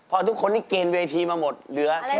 พอทุกคนที่เกณฑ์เวทีมาหมดเหลือแค่